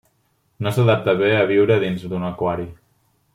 No s'adapta bé a viure dins d'un aquari.